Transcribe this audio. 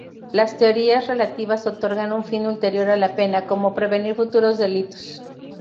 Las teorías relativas otorgan un fin ulterior a la pena, como prevenir futuros delitos.